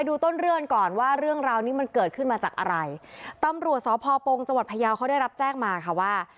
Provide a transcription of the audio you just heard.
ดูต้นเรื่องก่อนว่าเรื่องราวนี้มันเกิดขึ้นมาจากอะไรตำรวจสพปงจังหวัดพยาวเขาได้รับแจ้งมาค่ะว่า